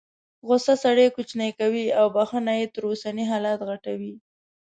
غوسه سړی کوچنی کوي او بخښنه یې تر اوسني حالت غټوي.